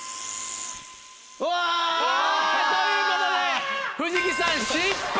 うわ！ということで藤木さん失敗！